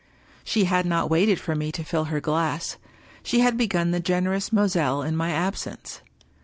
She had not waited for me to fill her glass — she had begun the generous Moselle in my absence.